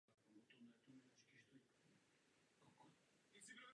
Profesně se uvádí jako referent.